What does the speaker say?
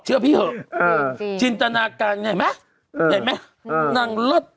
เชื่อพี่เหอะจินตนาการเห็นไหมนั่งรถ